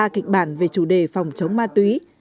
ba kịch bản về chủ đề phòng chống ma túy